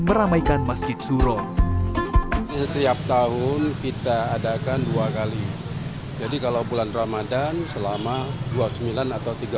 meramaikan masjid suro setiap tahun kita adakan dua kali jadi kalau bulan ramadhan selama dua puluh sembilan atau tiga